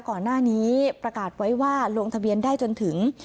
ก่อนหน้านี้ประกาศไว้ว่าลงทะเบียนได้จนถึง